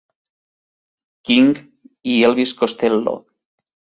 King i Elvis Costello.